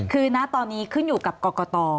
คือณตอนนี้ขึ้นอยู่กับกรกต